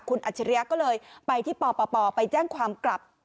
คุณอัชฌาเลี่ยก็เลยไปที่ปปปไปแจ้งความกลับ